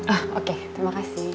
ah oke terima kasih